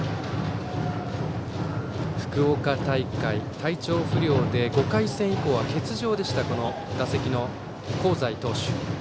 福岡大会、体調不良で５回戦以降は欠場だった打席の香西投手。